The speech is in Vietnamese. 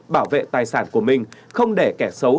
bảo vệ tài sản của mình không để kẻ xấu